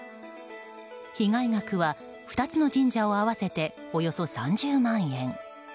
被害額は２つの神社合わせておよそ３０万円。